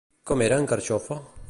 Com era en Carxofa?